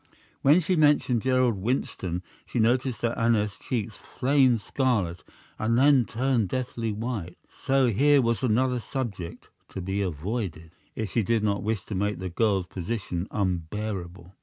When she mentioned Gerald Winston she noticed that Aneth's cheeks flamed scarlet and then turned deathly white; so here was another subject to be avoided, if she did not wish to make the girl's position unbearable.